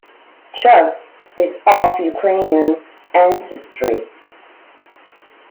"Chub" is of Ukrainian ancestry.